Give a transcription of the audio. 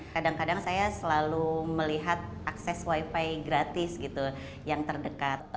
kadang kadang saya selalu melihat akses wifi gratis gitu yang terdekat